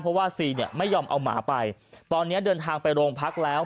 เพราะว่าซีเนี่ยไม่ยอมเอาหมาไปตอนนี้เดินทางไปโรงพักแล้ว